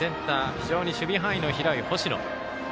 非常に守備範囲の広い星野。